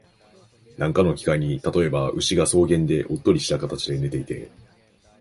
何かの機会に、例えば、牛が草原でおっとりした形で寝ていて、